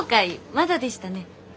まだでしたね。